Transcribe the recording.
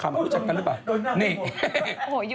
เพราะวันนี้หล่อนแต่งกันได้ยังเป็นสวย